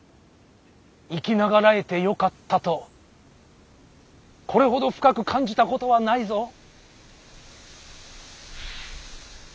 生き長らえてよかったとこれほど深く感じたことはないぞ。